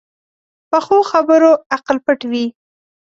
پخو خبرو عقل پټ وي